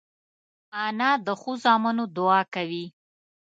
انا د ښو زامنو دعا کوي